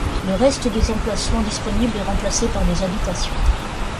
Le reste des emplacements disponible est remplacé par des habitations.